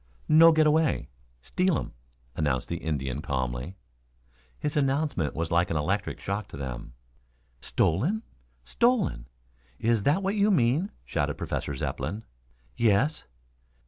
"No get away. Steal um," announced the Indian calmly. His announcement was like an electric shock to them. "Stolen? Stolen? Is that what you mean?" shouted Professor Zepplin. "Yes."